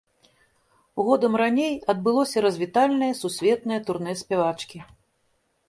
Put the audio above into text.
Годам раней адбылося развітальнае сусветнае турнэ спявачкі.